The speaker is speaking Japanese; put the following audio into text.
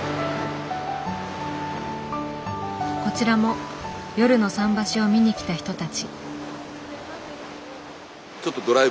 こちらも夜の桟橋を見に来た人たち。